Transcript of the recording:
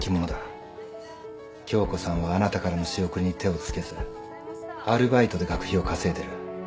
恭子さんはあなたからの仕送りに手を付けずアルバイトで学費を稼いでる。